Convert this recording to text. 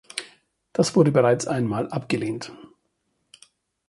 Das wurde bereits ein Mal abgelehnt.